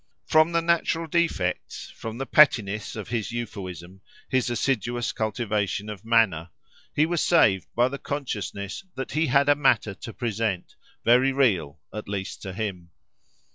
From the natural defects, from the pettiness, of his euphuism, his assiduous cultivation of manner, he was saved by the consciousness that he had a matter to present, very real, at least to him.